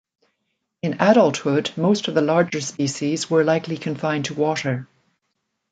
In adulthood, most of the larger species were likely confined to water.